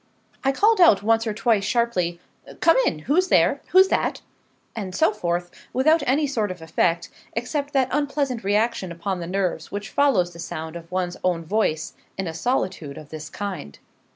I called out once or twice sharply 'Come in!' 'Who's there?' 'Who's that?' and so forth, without any sort of effect, except that unpleasant reaction upon the nerves which follows the sound of one's own voice in a solitude of this kind.